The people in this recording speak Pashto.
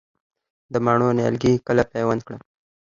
د مڼو نیالګي کله پیوند کړم؟